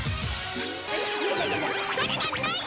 それがないんだ！